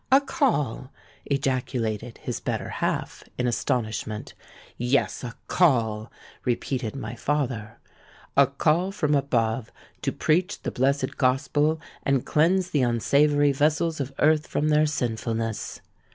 —'A call!' ejaculated his better half, in astonishment.—'Yes; a call,' repeated my father; 'a call from above to preach the blessed Gospel and cleanse the unsavoury vessels of earth from their sinfulness.'